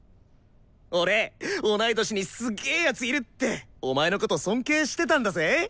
俺「同い年にすげ奴いる」ってお前のこと尊敬してたんだぜ。